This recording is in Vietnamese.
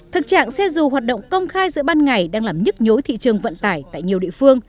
thực trạng xe dù hoạt động công khai giữa ban ngày đang làm nhức nhối thị trường vận tải tại nhiều địa phương